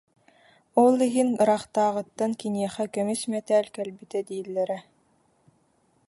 Ол иһин ыраахтааҕыттан киниэхэ көмүс мэтээл кэлбитэ дииллэрэ